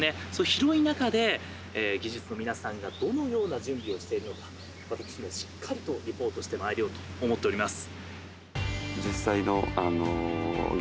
広い中で技術の皆さんがどのような準備をしているのか私がしっかりとリポートしてまいろうと思っております。